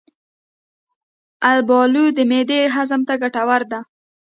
البالو د معدې هضم ته ګټوره ده.